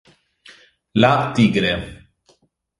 La tigre!